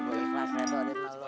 gue ikhlas deh tuh di mana lo